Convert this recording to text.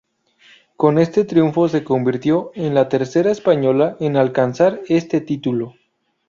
Con este triunfo se convirtió en la tercera española en alcanzar este título.